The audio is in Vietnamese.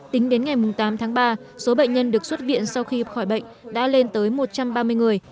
tính đến ngày tám tháng ba số bệnh nhân được xuất viện sau khi khỏi bệnh đã lên tới một trăm ba mươi người